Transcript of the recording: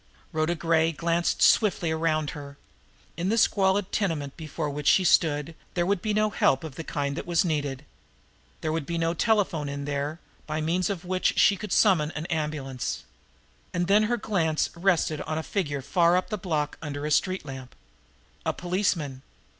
Rhoda Gray glanced swiftly around her. In the squalid tenement before which she stood there would be no help of the kind that was needed. There would be no telephone in there by means of which she could summon an ambulance. And then her glance rested on a figure far up the block under a street lamp a policeman.